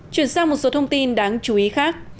chuyển sang một số thông tin đáng chú ý khác